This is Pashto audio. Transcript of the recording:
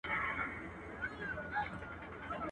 دهغه باغه چي نه خورې غم يې پر څه خورې.